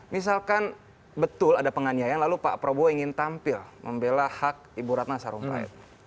misalkan betul ada penganiayaan lalu pak prabowo ingin tampil membela hak ibu ratna sarumpait